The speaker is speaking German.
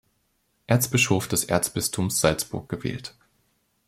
Erzbischof des Erzbistums Salzburg gewählt.